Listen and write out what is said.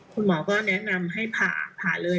คุณหมอก็แนะนำให้ผ่าผ่าเลย